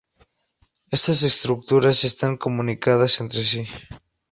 Estas estructuras están comunicadas entre sí.